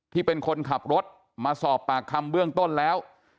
ที่เป็นคนขับรถมาสอบปากคำเบื้องต้นแล้ว